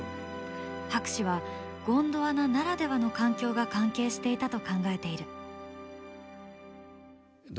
博士はゴンドワナならではの環境が関係していたと考えている。